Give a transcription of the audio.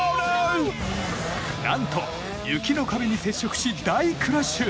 何と雪の壁に接触し大クラッシュ！